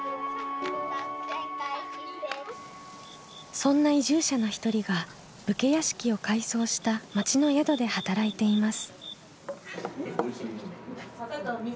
そんな移住者の一人が武家屋敷を改装した町の宿で働いています。